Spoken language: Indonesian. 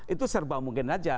itu serba mungkin saja